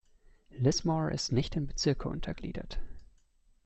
Lismore ist nicht in Bezirke untergliedert.